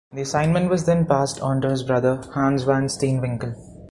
The assignment was then passed on to his brother, Hans van Steenwinckel.